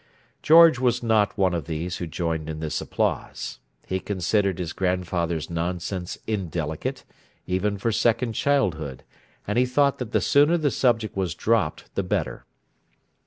George was not one of those who joined in this applause. He considered his grandfather's nonsense indelicate, even for second childhood, and he thought that the sooner the subject was dropped the better.